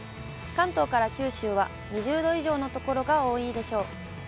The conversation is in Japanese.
関東から九州は、２０度以上の所が多いでしょう。